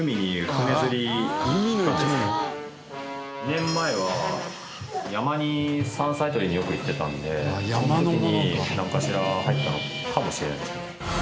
２年前は山に山菜採りによく行ってたんでその時になんかしら入ったのかもしれないですね。